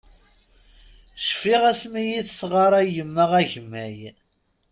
Cfiɣ asmi i yi-tesɣaṛay yemma agemmay.